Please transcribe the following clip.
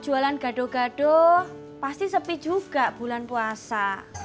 bukan gaduh gaduh pasti sepi juga bulan puasa